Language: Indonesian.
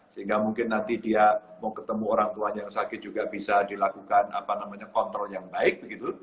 sehingga mungkin nanti dia mau ketemu orang tuanya yang sakit juga bisa dilakukan kontrol yang baik begitu